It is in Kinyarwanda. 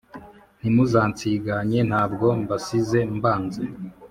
Ntimuzansiganye Ntabwo mbasize mbanze